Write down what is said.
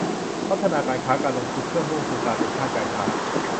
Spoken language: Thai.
พัฒนาการค้าการลงทุนเพื่อมุ่งสู่การเป็นชาติการค้า